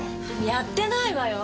やってないわよ。